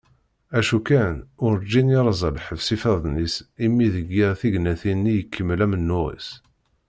Acu kan, urǧin yerẓa lḥebs ifadden-is imi deg yir tignatin-nni ikemmel amennuɣ-is.